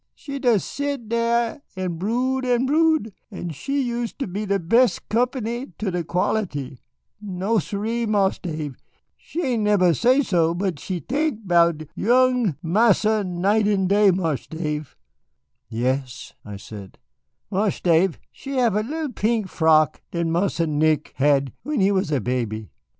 She des sit dar an' brood, an' brood an' she use' ter de bes' company, to de quality. No, sirree, Marse Dave, she ain' nebber sesso, but she tink 'bout de young Marsa night an' day. Marse Dave?" "Yes?" I said. "Marse Dave, she have a lil pink frock dat Marsa Nick had when he was a bebby.